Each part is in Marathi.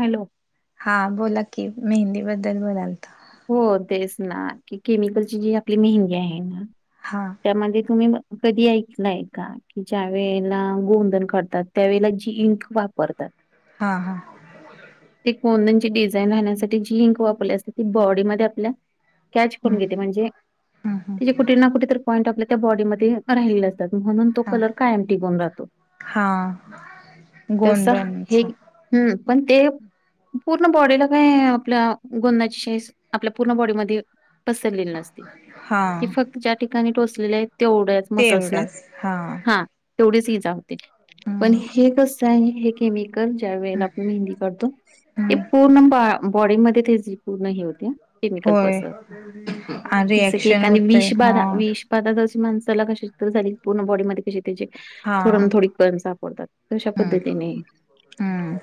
हॅलो. हा बोला की, मेहंदी बद्दल बोलाल तर हो तेच ना, की केमिकलची जी आपली मेहंदी आहे ना हां. त्यामध्ये तुम्ही कधी ऐकलंय का? कि ज्या वेळेला गोधन करतात, त्यावेळेला जी इंक वापरतात हा हा... ते गोंधन डिझाईन राहण्यासाठी जी वापरली असते ती बॉडीमध्ये आपल्या कॅच करून हम्म घेते. म्हणजे हम्म हम्म त्या कुठे ना कुठे तर पॉईंट आपल्या त्या बॉडीमध्ये राहिले असतात. म्हणून तो हा कलर कायम टिकून राहतो. हा तस गोंधनच हे हम्म पण ते, पूर्ण बॉडीला काय आपल्या गोंधनाची ण आपल्या पूर्ण बॉडी मध्ये पसरलेली नसते. हा ती फक्त ज्या ठिकाणी टोसलेले आहेत तेवढ्या मसल्स ना. हा. तेवढेच इजा होते. पण हम्म हे कस आहे हे केम ज्या वेळेला आपण मेहंदी काडतो, ते हम्म पूर्ण बॉडी म ते पूर्ण हे होते केमिकल होय पसरतं, जस की रिॲक्शन एखादी होतय विष हा बाधा विष [unintelligible] पशी माणसाला क तर झाली पूर्ण बॉडी मध्ये क त्याचे हा थोड थोडी कण सापडतात. तशा हम्म पद्धतीने हम्म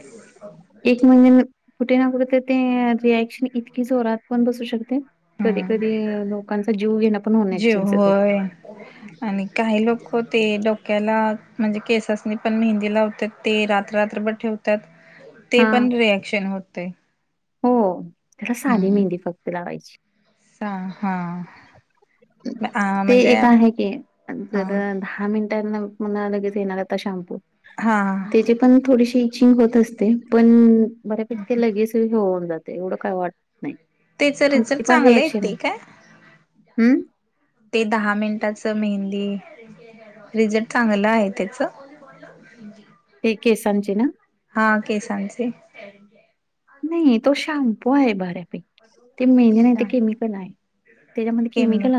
एक म्हणजे, कुठे ना कुठे तर ते रिॲक्शन इतकी जोरात पण बसू शकते. कधी- हम्म कधी लोकांचा जीव घेण पण होण्या जीव चान्सेस आहेत. होय आणि काही लोक ते डोक्याला म्हणजे केससनी पण मेहंदी लावते ते रात्ररात्रभर ठेवतात. [inaudible] ते पण रिॲक्शन होते. हो, खरं साधी मेहंदी फक्त लावायची. स हा अ ते म्हणजे एक आहे की अ जर दहा मिनट टं म्हणा लगेच येणार हाय आता शाम्पू हा ते पण थोडीशी इचिंग होत असते पण बऱ्यापैकी ते लगेच हे होऊन जातय एवढं काय वाटत नाही तेच रिझल्ट कोणती पण चांगलं रिऍकशन येतय नाय काय? हम्म ते दहा मिनिटाचं मेहंदी रिझल्ट चांगलं आहे त्याचं? [inaudible] ते केसांचे ना? हा केसांचे. नाही तो शॅम्पू आहे बऱ्यापैकी ते मेहंदी नाही ते अच्छा केमिकल हाय त्याच्यामध्ये केमिकल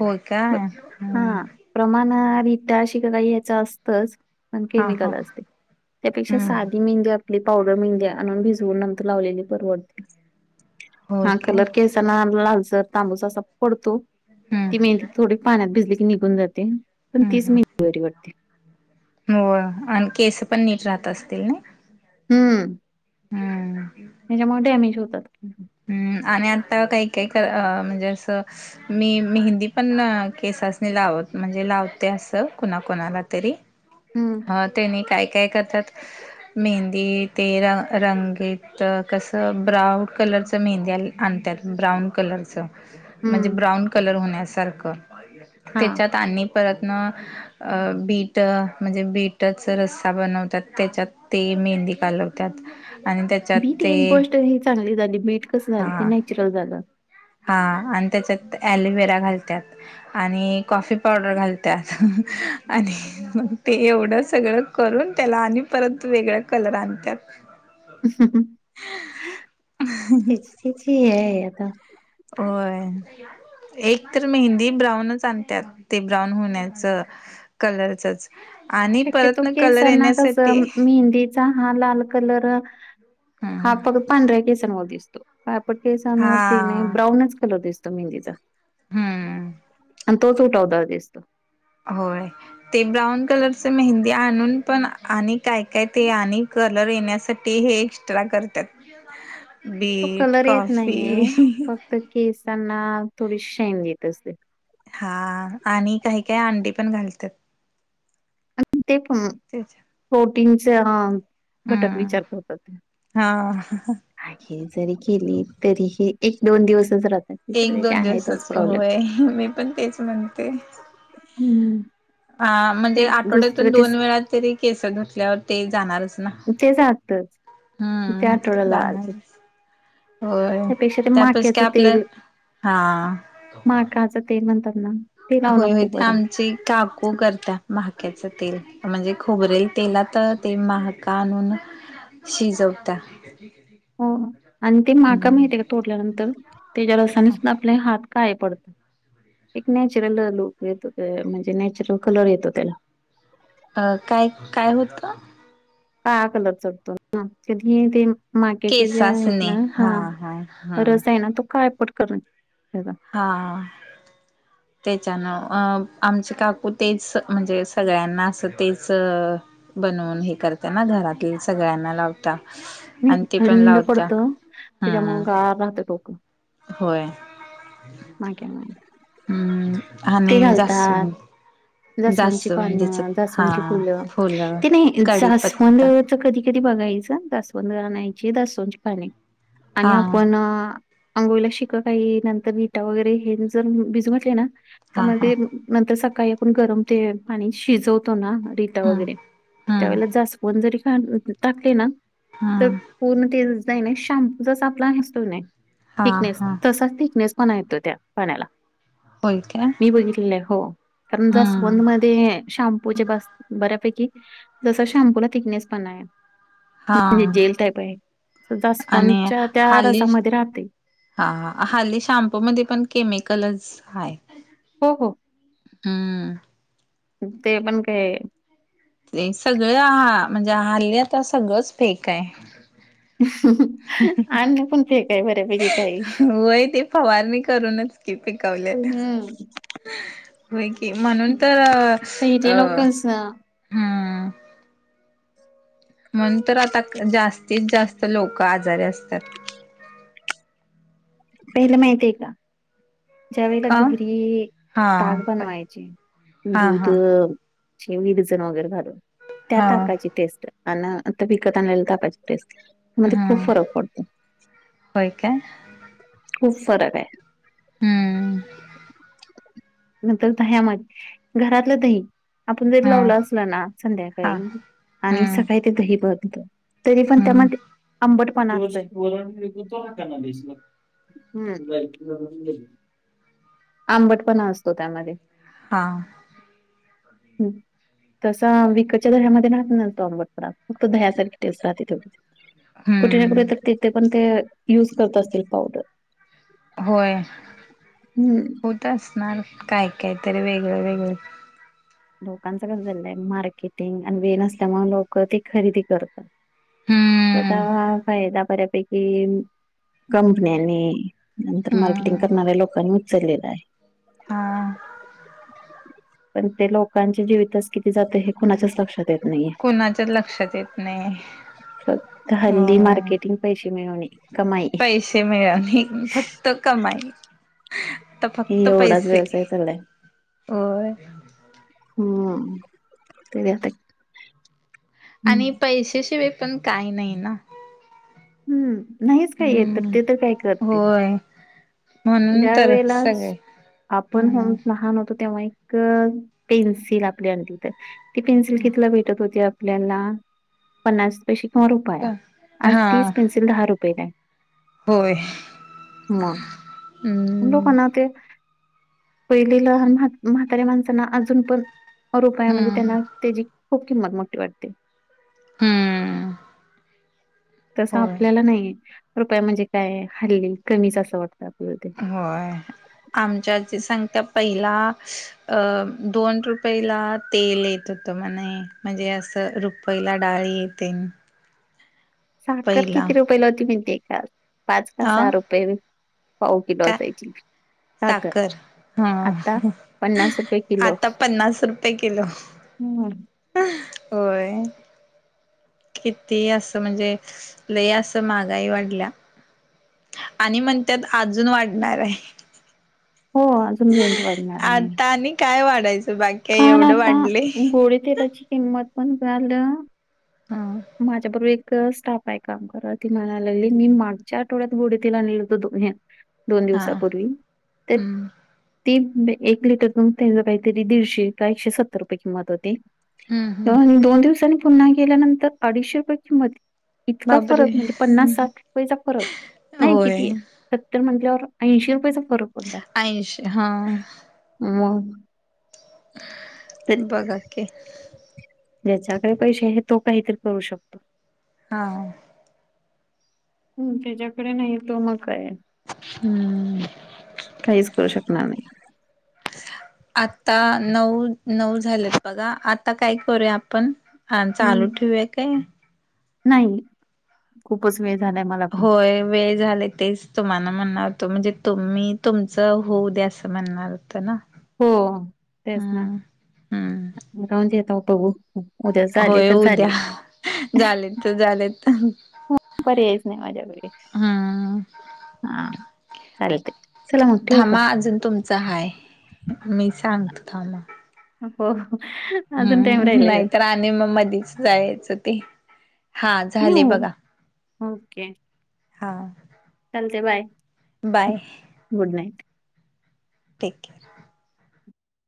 होय काय हम्म हा प्रमाणं रिटा शिकेकाई याच असतंच पण हा हा केमिकल असते त्यापेक्षा हम्म साधी मेहंदी आपली पावडर मेहंदया आणून भिजवून नंतर लावलेली परवडत्या. होय हा काय कलर केस जरा लालसर तांबूस असा पडतो हम्म ती मेंदी थोडी पाण्यात भिजली की निघून जाते पण हम्म तीच हम्म मेंदी बरी वाटते. होय आणि केसं पण नीट राहत असतील नाही. हम्म त्याच्यामुळे डॅमेज होतात. हम्म आणि आता काही काही कर अ म्हणजे असं मी मेहंदी पण केसास्नी लावत म्हणजे लावते असं कुणाकुणाला तरी हम्म अ तेनी काय काय करतात? मेहंदी ते र रंगीत कस ब्राउन कलरचं ते मेंद्या आणत्यात ब्राऊन कलरचं. म्हणजे हम्म. ब्राऊन कलर होण्यासारखं हा त्याच्यात आणि परतनं अ बीट म्हणजे बीटच रस्सा बनवत्यात त्याच्यात ते मेहंदी कालवत्यात. बीट एक गोष्ट हे चांगली झाली बीट कसं झालं ते हा नॅचरल झालं. हा आणि त्याच्यात ऍलोवेरा घालत्यात. आणि कॉफी पावडर घालत्यात आणि मग ते एवढं सगळं करून त्याला आणि परत वेगळं कलर आणत्यात. तेची तेची हे आहे आता होय एक तर मेहंदी ब्राऊनच आणत्यात ते ब्राऊन होण्याचं कलरचंच शक्यतो केसांना कसं मेहंदी चा हा लाल कलर हा हम्म फक्त पांढऱ्या केसांवर दिसतो. काळपट हा केसांवर ते नाही ब्राऊनच कलर दिसतो मेहंदीचा हम्म आणि तोच उठावदार दिसतो. होय ते ब्राऊन कलरचं मेहंदी आणून पण आणि काय काय ते आणि कलर येण्यासाठी ते हे एक्स्ट्रा करत्यात बीट, कॉफी तर केसांना थोडी शाईन देत असते. हा आणि काही काही अंडी पण घालतात. आणि ते ऊ त्याच्या प्रोटीनचे ह, घटक हम्म विचार करतात ते. हा. काही जरी केली तरी ही एक दोन दिवसच राहते. एक दोन दिवसच होय, मी पण तेच म्हणते. हम्म. अ ते म्हणजे दुसरं आठवड्यातून ते दोन वेळा तरी केस धुसल्यावर ते जाणारच. ना, तेच आतच ते हम्म आठवड्याला जाणारच. हो त्यापेक्षा ते त्यापस माक्याचं का आपलं तेल हा. ते नंतर ना. ते लावणं होय होय, खूप ते बरं आहे. आमचे का कू करता महाक्याचं तेल, म्हणजे खोबरही तेलात ते महाका आणून शिजवता. हो हो आणि ते माका माहिती आहे का तोडल्यानंतर त्याच्या रसानेच म आपले हात काळे पडतात. एक नॅचरल लुक येतो, ते म्हणजे नॅचरल कलर येतो त्याला. अ काय? काय होतं? काळा कलर चढतो, [unintelligible] ते माक्याचे जे आहेत ना, हा रस आहे ना, तो काळपट करण हे बघ. हा. [inaudible] तेच्यानं अं आमची काकू तेच म्हणजे सगळ्यांना असं तेच बनवून हे करता ना, घरातील सगळ्यांना लावता. नाही आणि ती पण थंड लावता पडतं हू त्याच्यामुळे हू. [unintelligible] होय. माक्यामुळे हम् आणि जास्वंद. जास्वंद ची पान, जास्वंदीच जास्वंद हा ची फुलं, फुलं ते नाही जास्वद कडीपत्ता त कधी कधी बघायचं जास्वंद आणायची जास्वंदची पाने आणि हा आपण आंघोळीला शिककाई नंतर रीठा वगैरे हे जर भिजवटले ना त हा म हा ते नंतर सकाळी आपण गरम ते पाणी शिजवतो ना रिठा हम्म वगैरे हम्म त्यावेळेला जास्वद जरी [unintelligible] टाकली ना तर हम्म पूर्ण ते [unintelligible] आहे ना शॅम्पू जसा आपला असतो का नाही हा थीकनेस, हा तसाच थीकनेस पणा येतोय त्या पाण्याला. होय काय मी बघितलेलं आहे. हो. पण हम्म जास्वंद [unintelligible] ते शॅम्पूचे बस बऱ्यापैकी, जस शॅम्पू ला थीकनेस पणा आहे. ते हा म्हणजे जेल टाईप आहे. त जास्वंद आणि च्या त्या हाली रसामधे राहते. हा हल्ली शॅम्पू मध्ये पण केमिकलच हाय. हो हो. हम्म. ते पण काय ते सगळ हा, म्हणजे हल्ली आता सगळंच फेक आहे. अन्न पण फेक आहे बऱ्यापैकी काही. होय ती फवारनी करूनच ती पिकवलेल हं. [inaudible] व्हय कि. म्हणून तर अ.. पहिले अ.. लोकच हम्म... मनून तर आता क् जास्तीत जास्त लोक आजारी असतात. पहिलं माहिताय का, ज्या वेळेला का घरी हा ताक बाय बनवायचे.... हा दूध... हा विरजन वगैरे घालून, त्या हा ताकाची टेस्ट अन.. आता विकत आणलेल्या ताकाची टेस्ट, मध्ये हा खूप फरक पडतो. होय का? खूप फरक आहे. हम्म... नंतर दह्यामध्ये, घरातलं दही... आपण जरी हा लावलं असल ना हा संध्याकाळी, आणि हम्म सकाळी ते दही बनतं तरी पण हम्म त्यामध्ये आंबट पणा..... हम्म आंबट पना असतो त्यामध्ये. हां. [inaudible] [inaudible] तसा विकच्या दह्यामध्ये राहत नाही न तो आंबटपना, फक्त दह्यासारखी टेस्ट राहते..... कुठे ना कुठे हम्म तर तिथे पण ते.... युज करत असतील पावडर. होय. हम्म होत असणार, काय काय तरी वेगळं वेगळं. लोकांचं कसं झालेलय, मार्केटिंग, आणि वेळ नसल्यामुळे लोक ते खरेदी करतात. हम्म त्याचा फायदा बऱ्यापैकी...... कंपन्यांनी नंतर मार्केटिंग हम्म करणाऱ्या लोकांनी उचललेला आहे. हा पन ते लोक..... लोकांचे जीवितस किती जातं हे कुणाच्याच लक्षात येत..... नाहीये. कोनाच्याचं लक्षात येत नाही. होय. पैशे मिळवणे, कमाई पैशे मिळवणे, फक्त कमाई. आता फक्त एवढाच पैसे. व्यवसाय चाललाय. होय. हम्म.., तरी आता..... आनि पैशाशिवाय पन काही नाही न..... हम्म.. नाहीच काही येत, तर हम्म ते तर काय करतील.... होय म्हणून ज्या तर वेळला...... सगळे आपण....... हम्म [unintelligible] लहान होतो तेव्हा एक अ... पेन्सिल आपली आणली तर..... ती पेन्सिल कीतीला भेटत होती आपल्याला, पन्नास पैशी किंवा रुपाया.... प- हा तीच पेंन्सिल दहा रुपयेला आहे. होय. म.. हम्म लोकांना ते... पहिले लहान म्ह म्हाताऱ्या माणसांना अजून पन......... रुपाया म्हणजे हम्म त्यांना त्याची खूप किंमत मोठी वाटते. ह्म्म्म....... तसं आपल्याला नाहीे रुपया म्हणजे काय, हल्ली कमीच असं वाटतं आपल्याला ते....... होय. आमची आजी सांगता पहिला.... स्स्... अ दोन रुपयल तेल येत होतं म्हणे, म्हणजे असं रु पहिला डाळी येते साखर पहिला किती रुपयला होती म्हनते काल? पाच का हा सहा रुपये पाऊ किलो का असायची. साखर हा आता पन्नास रुपये किलो. आता पन्नास रुपये किलो. हम्म. होय. किती असं म्हणजे लय असं महागाई वाढल्या. आणि म्हणत्यात अजून वाढणार आय. हो अ जून - रेंट वाढणार आय. आता आणि काय वाढायचं बाकी आहे काल एवढं आता वाढले गोडे तेलाची किंमत पण काल हा माझ्याबर एक स्टाफ काय काम करत ती म्हणाय लागली मी मागच्या आठवड्यात गोडे तेल आणलेल होत दो हे दोन हा दिवसापूर्वी त्यात हम्म ती एक लिटर पन त्याज कायतरी दीडशे का एकशे सत्तर रुपये किंमत होती. हम्म हम्म तन दोन दिवसांनी पुन्हा गेल्यानंतर अडीचशे रुपये किंमत. इतका फरक बापरे म्हणजे पन्नास साठ रुपयेचा फरक नाय होय किती स त्तर म्हणाल्यावर ऐंशी रुपयचा फरक. पडला. ऐंशी हा. मग त्यात बघा की ज्याच्याकडे पैसे आहेत तो काहीतरी करू शकतो. हा. हम्म, त्याच्याकडे न्हाई तो मग काय? हम्म. काहीच करू शकणार नाय. आता नऊ नऊ झालेत बघा आता काय करूया आपण हा हं. चालू ठेवूया काय? नाही. खुपचं वेळ झालाय मला. पण. होय वेळ झाले तेच तुम्हाला म्हणणार होत म्हणजे तुम्ही तुमच होऊद्या असं म्हणणार होत ना. हो तेच ना हम्म हम्म राहूदे आता बघू. उद्या झाले होय तर उद्या झाले. झालेत तर झालेत पर्यायच नाही माझ्याकडे हम्म. हा चालतंय. थांमा अजून तुमचा हाय मी सांगतो थांमा. हो. अजून टाइम हम्म, राहिलेला नायतर आणि म मधीच जायचं ते. हा नाही झाले हो बघा हा. चालतय bye bye good night. Take के